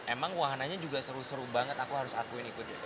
emang wahana nya juga seru seru banget aku harus akuin ikut